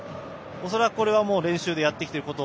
恐らくこれは練習でやってきていること。